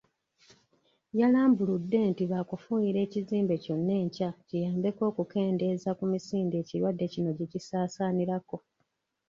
Yalambuludde nti bakufuuyira ekizimbe kyonna enkya kiyambeko okukendeeza ku misinde ekirwadde kino gye kisaasaanirako.